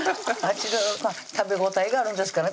食べ応えがあるんですかね